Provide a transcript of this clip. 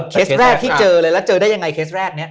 แรกที่เจอเลยแล้วเจอได้ยังไงเคสแรกนี้